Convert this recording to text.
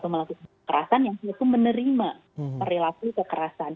melakukan perasaan yang menerima perilaku kekerasan